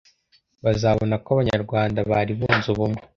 bazabona ko abanyarwanda bari bunze ubumwe